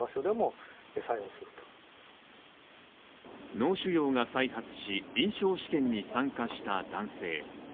脳腫瘍が再発し、臨床試験に参加した男性。